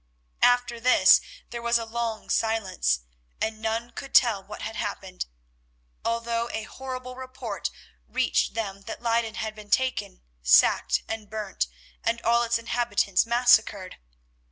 After this there was a long silence, and none could tell what had happened, although a horrible report reached them that Leyden had been taken, sacked, and burnt, and all its inhabitants massacred.